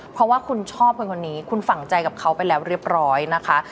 เพราะว่าคุณชอบคนคนนี้คุณฝังใจกับเขาไปแล้วเรียบร้อยนะคะ